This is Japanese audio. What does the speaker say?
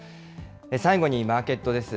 最後にマーケットです。